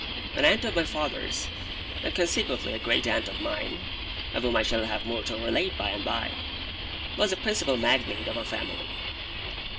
An aunt of my father's, and consequently a great aunt of mine, of whom I shall have more to relate by and by, was the principal magnate of our family.